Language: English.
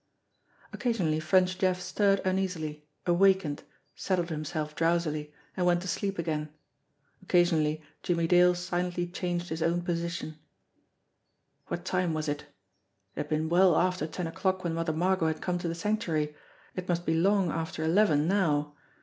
Occasionally French Jeff stirred uneasily, awakened, settled himself drowsily, and went to sleep again ; occasion ally Jimmie Dale silently changed his own position. 276 JIMMIE DALE AND THE PHANTOM CLUE What time was it? It had been well after ten o'clock when Mother Margot had come to the Sanctuary ; it must be long after eleven now.